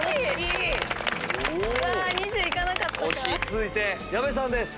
続いて矢部さんです。